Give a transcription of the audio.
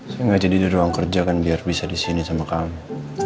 saya ngaji di ruang kerja kan biar bisa disini sama kamu